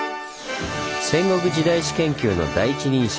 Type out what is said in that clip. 戦国時代史研究の第一人者